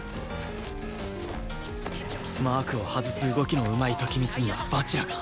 マークを外す動きのうまい時光には蜂楽が